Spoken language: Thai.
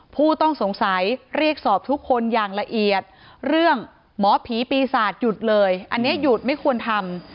ผู้ต้องสงสัยเรียกสอบทุกคนอย่างละเอียดเรื่องหมอผีปีศาจหยุดเลยอันนี้หยุดไม่ควรทำ